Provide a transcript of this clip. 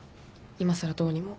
いまさらどうにも。